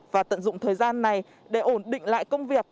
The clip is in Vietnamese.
và tận dụng thời gian này để ổn định lại công việc